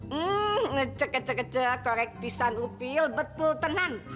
hmm cek cek cek korek pisan opil betul tenan